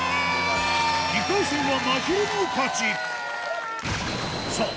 ２回戦はまひるの勝ちさぁ